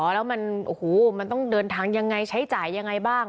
แล้วมันโอ้โหมันต้องเดินทางยังไงใช้จ่ายยังไงบ้าง